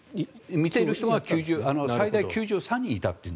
見ている人が最大９３人いたと。